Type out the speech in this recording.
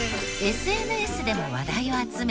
ＳＮＳでも話題を集め